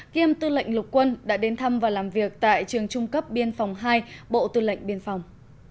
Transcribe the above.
kiêm tư lệnh lục quân đã đến thăm và làm việc tại trường trung cấp biên phòng hai bộ tư lệnh biên phòng